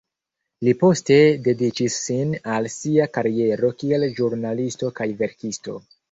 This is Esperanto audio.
Li poste dediĉis sin al sia kariero kiel ĵurnalisto kaj verkisto.